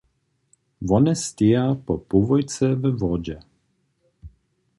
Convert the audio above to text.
Wone steja po połojcy we wodźe.